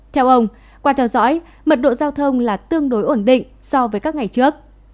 theo ông qua theo dõi mật độ giao thông là tương đối ổn định so với các ngày trước